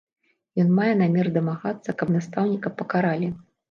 Ён мае намер дамагацца, каб настаўніка пакаралі.